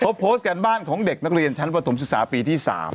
เขาโพสต์กันบ้านของเด็กนักเรียนชั้นประถมศึกษาปีที่๓